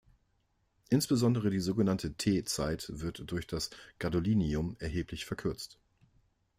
Insbesondere die sogenannte T-Zeit wird durch das Gadolinium erheblich verkürzt.